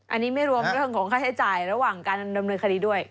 อันนี้ไม่รวมเรื่องของค่าใช้จ่ายระหว่างการดำเนินคดีด้วย